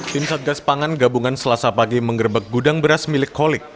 tim satgas pangan gabungan selasa pagi mengerbek gudang beras milik kolik